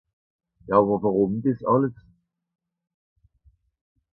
Ja àwer wùrùm dìs àlles ?